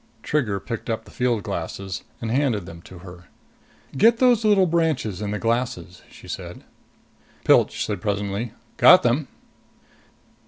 Trigger picked up the field glasses and handed them to her. "Get those little branches in the glasses," she said. Pilch said presently, "Got them."